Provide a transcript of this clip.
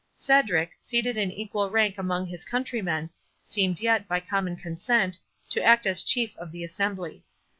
Cedric, seated in equal rank among his countrymen, seemed yet, by common consent, to act as chief of the assembly.